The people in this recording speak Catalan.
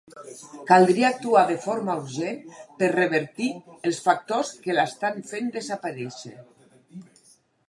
Caldria actuar de forma urgent per revertir els factors que l'estan fent desaparèixer.